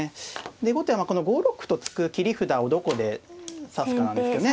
で後手はこの５六歩と突く切り札をどこで指すかなんですけどね。